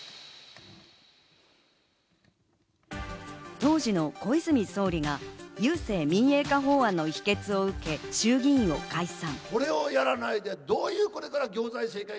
当時の小泉総理が郵政民営化法案の否決を受け衆議院を解散。